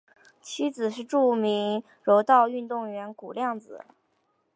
妻子是日本著名柔道运动员谷亮子。